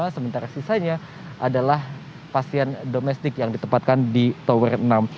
sementara sisanya adalah pasien domestik yang ditempatkan di tower enam